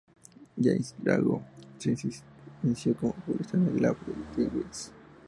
Jaime Drago se inició como futbolista en el Lawn Tennis.